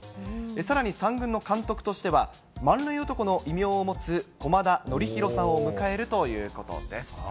さらに３軍の監督としては、満塁男の異名を持つ駒田徳広さんを迎えるということです。